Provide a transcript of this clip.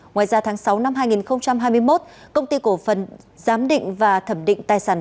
ngoài ra tháng sáu năm hai nghìn hai mươi một công ty cổ phần giám định và thẩm định tài sản